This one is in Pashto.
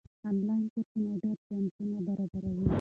آنلاین کورسونه ډېر چانسونه برابروي.